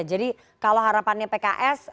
jadi kalau harapannya pks